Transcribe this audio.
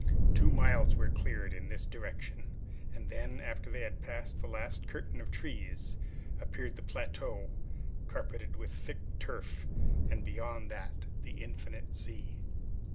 Two miles were cleared in this direction, and then, after they had passed the last curtain of trees, appeared the plateau, carpeted with thick turf, and beyond that the infinite sea.